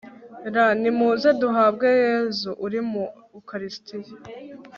r/ nimuze duhabwe yezu uri mu ukarisitiya